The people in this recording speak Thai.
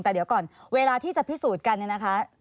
แต่เดี๋ยวก่อนเวลาที่จะพิสูจน์กันเนี่ยนะคะ